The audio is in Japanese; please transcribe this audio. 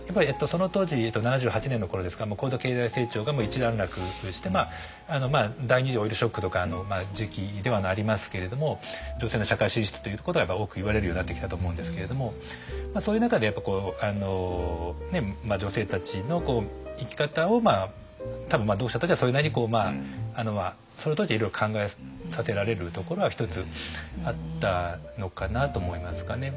その当時７８年の頃ですから高度経済成長が一段落して第２次オイルショックとかの時期ではありますけれども女性の社会進出ということが多く言われるようになってきたと思うんですけれどもそういう中で女性たちの生き方を多分読者たちはそれなりにそれを通していろいろ考えさせられるところは一つあったのかなと思いますかね。